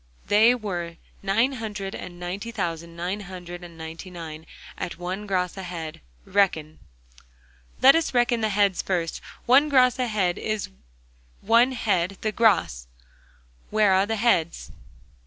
They were nine hundred and ninety thousand, nine hundred and ninety nine, at one gros a head. Reckon!' 'Let us reckon the heads first. One gros a head is one head the gros. Where are the heads?